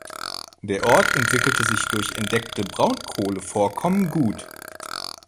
Der Ort entwickelte sich durch entdeckte Braunkohlevorkommen gut.